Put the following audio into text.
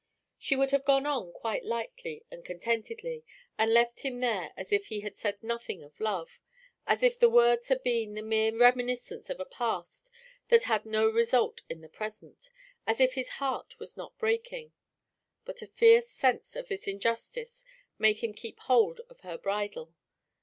She would have gone on quite lightly and contentedly, and left him there as if he had said nothing of love, as if their words had been the mere reminiscence of a past that had no result in the present, as if his heart was not breaking; but a fierce sense of this injustice made him keep his hold of her bridle.